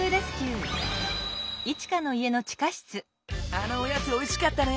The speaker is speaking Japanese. あのおやつおいしかったね。